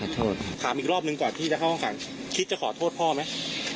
ถามอีกรอบหนึ่งก่อนที่จะเข้าห้องขังคิดจะขอโทษพ่อไหม